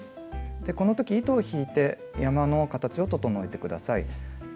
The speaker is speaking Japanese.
この時糸を引いて山の形を整えて下さい。